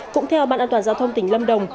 cũng theo ban an toàn giao thông tỉnh lâm đồng